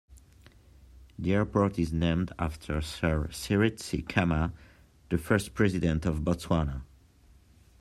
The airport is named after Sir Seretse Khama, the first president of Botswana.